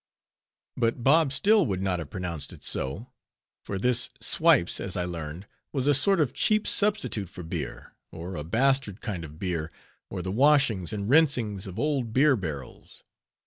But Bob Still would not have pronounced it so; for this stripes, as I learned, was a sort of cheap substitute for beer; or a bastard kind of beer; or the washings and rinsings of old beer barrels.